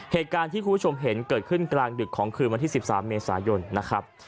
เหตุการณ์ที่คุณผู้ชมเห็นเกิดขึ้นกลางดึกของคืนวันที่๑๓เมษายนนะครับ